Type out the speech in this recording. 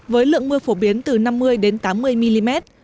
với lượng mưa phổ biến từ năm mươi đến tám mươi mm